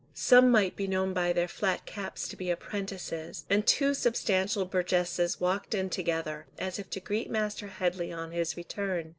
Some might be known by their flat caps to be apprentices, and two substantial burgesses walked in together, as if to greet Master Headley on his return.